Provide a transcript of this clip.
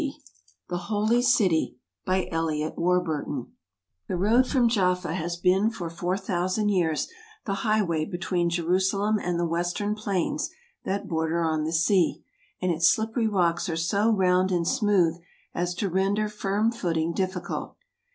ASIA The Holy City By ELIOT WARBURTON THE road from Jaffa has been for 4000 years the high way between Jerusalem and the western plains that border on the sea, and its slippery rocks are so round and smooth as to render firm footing difficult.